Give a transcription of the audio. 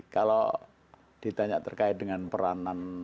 kalau ditanya terkait dengan peranan